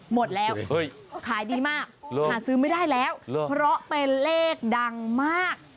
หมดแล้วขายดีมากหาซื้อไม่ได้แล้วเพราะเป็นเลขดังมาก